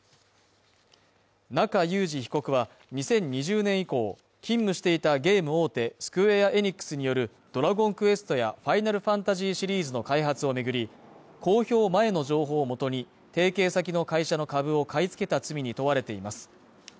中裕司被告は２０２０年以降、勤務していたゲーム大手スクウェア・エニックスによる「ドラゴンクエスト」や「ファイナルファンタジー」シリーズの開発を巡り、公表前の情報をもとに提携先の会社の株を買い付けた罪に問われています。